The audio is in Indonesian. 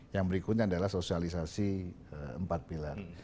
yang berikutnya adalah sosialisasi empat pilar